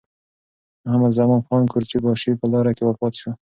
محمدزمان خان قورچي باشي په لاره کې وفات شو.